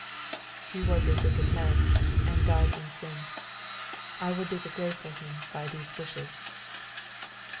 "He was a wicked man, and died in sin. I will dig a grave for him by these bushes."